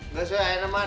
nggak usah neng mah